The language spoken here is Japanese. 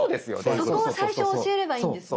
そこを最初教えればいいんですね。